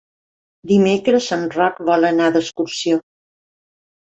Dimecres en Roc vol anar d'excursió.